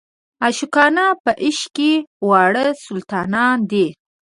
عاشقان په عشق کې واړه سلطانان دي.